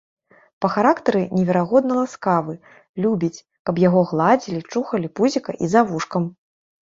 Па характары неверагодна ласкавы, любіць, каб яго гладзілі, чухалі пузіка і за вушкам.